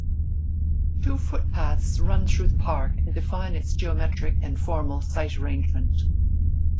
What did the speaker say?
Two footpaths run through the park and define its geometric and formal site arrangement.